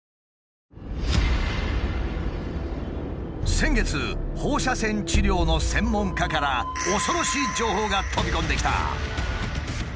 先月放射線治療の専門家から恐ろしい情報が飛び込んできた。